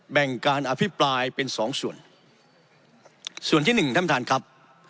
แบ่งการอภิปรายเป็นสองส่วนส่วนที่หนึ่งท่านท่านครับ